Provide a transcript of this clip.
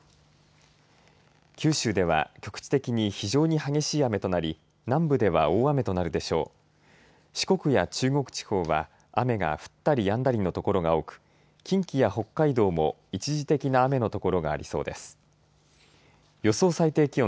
九州では局地的に非常に激しい雨となり南部では大雨となるでしょう。